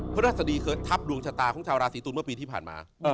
พระราชดีเคยทับดวงชะตาของชาวราศีตุลเมื่อปีที่ผ่านมา